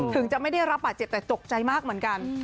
ถึงจะไม่ได้รับบาดเจ็บแต่ตกใจมากเหมือนกัน